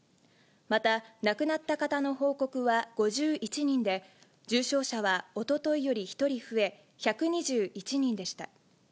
また亡くなった方の報告は５１人で、重症者はおとといより１人増え１２１人でした。